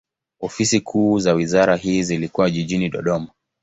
Ofisi kuu za wizara hii zilikuwa jijini Dodoma.